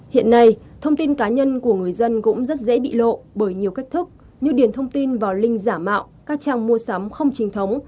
hiện nay thông tin cá nhân của người dân cũng rất dễ bị lộ bởi nhiều cách thức như điền thông tin vào link giả mạo các trang mua sắm không chính thống